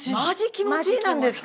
気持ちいいんですか？